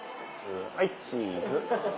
はいチーズ。